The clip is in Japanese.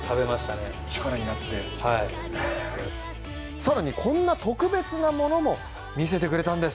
さらにこんな特別なものも見せてくれたんです。